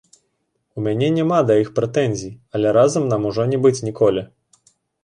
У мяне няма да іх прэтэнзій, але разам нам ужо не быць ніколі.